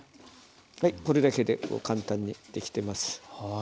はいこれだけでもう簡単にできてます。